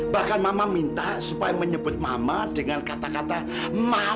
bahkan mama minta supaya menyebut mama dengan kata kata mama